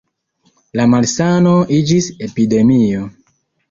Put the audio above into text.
La malsano iĝis epidemio.